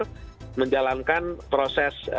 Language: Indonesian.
dan juga menjalankan proses